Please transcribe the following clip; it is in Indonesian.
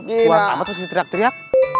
gua ntar apa terus diteriak teriak